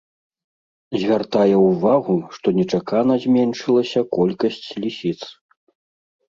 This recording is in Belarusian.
Звяртае ўвагу, што нечакана зменшылася колькасць лісіц.